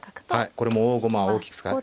これも大駒を大きく使う。